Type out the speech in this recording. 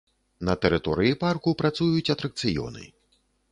На тэрыторыі парку працуюць атракцыёны.